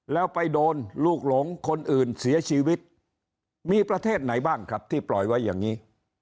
แล้วไปโดนลูกหลงคนอื่นเสียชีวิตมีประเทศไหนบ้างครับที่ปล่อยไว้อย่างนี้